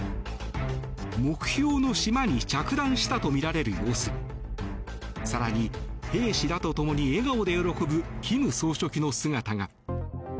目標の島に着弾したとみられる様子更に、兵士らとともに笑顔で喜ぶ金総書記の姿が。